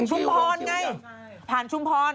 ชุมพรไงผ่านชุมพร